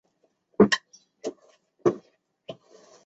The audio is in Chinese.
现在有从甲南分歧而出的台中港线。